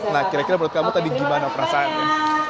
nah kira kira menurut kamu tadi gimana perasaannya